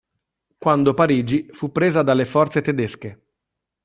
Quando Parigi fu presa dalle forze tedesche.